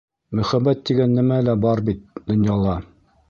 Мөхәббәт тигән нәмә лә бар бит донъяла!